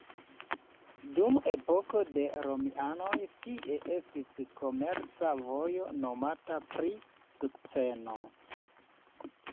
Dum epoko de romianoj tie estis komerca vojo nomata pri sukceno.